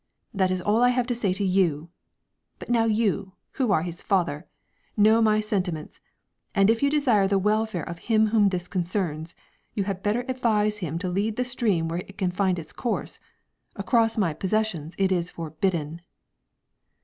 This is all I have to say to you; but now you, who are his father, know my sentiments, and if you desire the welfare of him whom this concerns, you had better advise him to lead the stream where it can find its course; across my possessions it is forbidden."